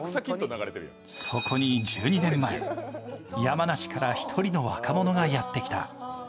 そこに１２年前、山梨から１人の若者がやってきた。